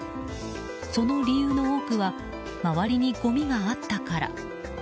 その理由の多くは周りにごみがあったから。